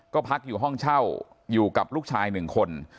ก็พักอยู่ห้องเช่าอยู่กับลูกชาย๑คน